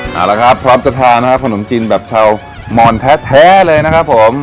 เอาละครับพร้อมจะทานนะครับขนมจีนแบบชาวมอนแท้เลยนะครับผม